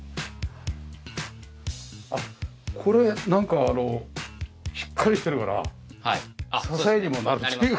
あっこれなんかしっかりしてるから支えにもなるっていう。